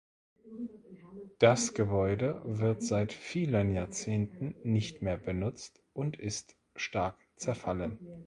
Das Gebäude wird seit vielen Jahrzehnten nicht mehr benutzt und ist stark zerfallen.